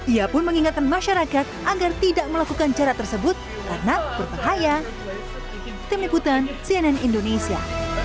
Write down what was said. ia pun mengingatkan masyarakat agar tidak melakukan cara tersebut karena berbahaya